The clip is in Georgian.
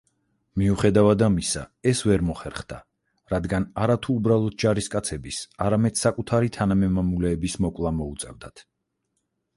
მიუხედავად ამისა, ეს ვერ მოხერხდა, რადგან არათუ უბრალოდ ჯარისკაცების, არამედ საკუთარი თანამემამულეების მოკვლა მოუწევდათ.